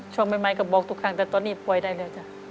ช่วงใหม่ก็บอกทุกครั้งแต่ตอนนี้ปล่อยได้เลยจ้ะ